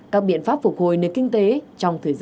các biện pháp phục hồi nền kinh tế trong thời gian